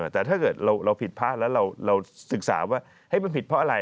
แต่ถ้าเกิดเราผิดพลาดแล้วเราศึกษาว่ามันผิดเพราะอะไร